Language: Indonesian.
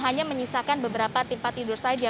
hanya menyisakan beberapa tempat tidur saja